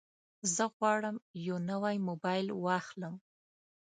زه غواړم یو نوی موبایل واخلم.